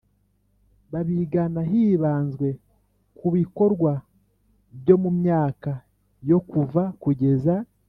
babigana Hibanzwe ku bikorwa byo mu myaka yo kuva kugeza